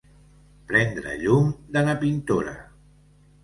Prendre llum de na Pintora.